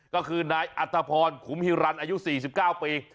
ว่าคืนนายอัตภพรขุมฮิรันทร์อายุ๔๙ปี